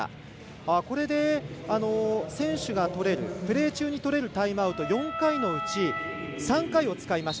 これで、選手がプレー中に取れるタイムアウト、４回のうち３回を使いました。